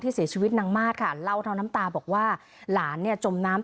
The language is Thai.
เสียชีวิตนางมาสค่ะเล่าทั้งน้ำตาบอกว่าหลานเนี่ยจมน้ำ